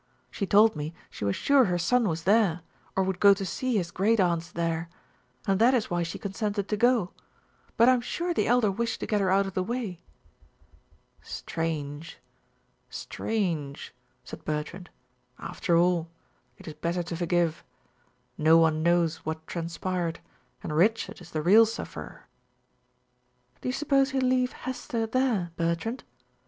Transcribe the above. She told me she was sure her son was there, or would go to see his great aunts there, and that is why she consented to go but I'm sure the Elder wished to get her out of the way." "Strange strange," said Bertrand. "After all, it is better to forgive. No one knows what transpired, and Richard is the real sufferer." "Do you suppose he'll leave Hester there, Bertrand?"